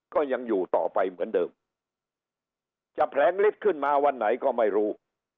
ก็ยังอยู่ต่อไปเหมือนเดิมจะแผลงฤทธิ์ขึ้นมาวันไหนก็ไม่รู้